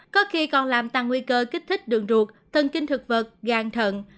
có khi còn làm tăng nguy cơ kích thích đường ruột thân kinh thực vật gan thận